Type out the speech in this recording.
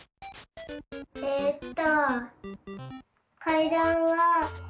えっと。